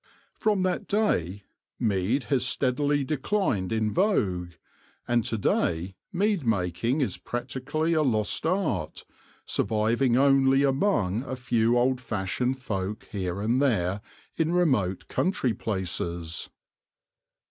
From that day mead has steadily de clined in vogue, and to day mead making is practically a lost art, surviving only among a few old fashioned folk here and there in remote country places.